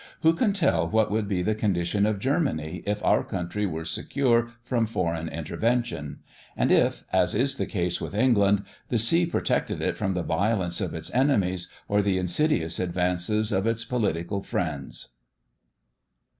Who can tell what would be the condition of Germany, if our country were secure from foreign intervention; and if, as is the case with England, the sea protected it from the violence of its enemies or the insidious advances of its political friends.